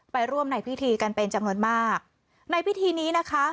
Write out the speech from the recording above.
ไปร่วมในพิธีกันเป็นจำนวนมากในพิธีนี้นะคะ